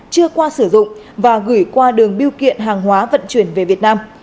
chưa qua sử dụng và gửi qua đường biêu kiện hàng hóa vận chuyển về việt nam